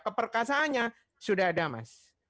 keperkasaannya sudah ada mas